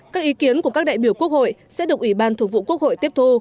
các ý kiến của các đại biểu quốc hội sẽ được ủy ban thường vụ quốc hội tiếp thu